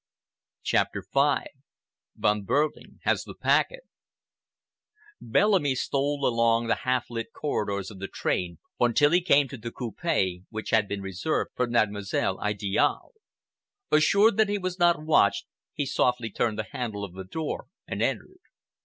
CHAPTER V "VON BEHRLING HAS THE PACKET" Bellamy stole along the half lit corridors of the train until he came to the coupé which had been reserved for Mademoiselle Idiale. Assured that he was not watched, he softly turned the handle of the door and entered.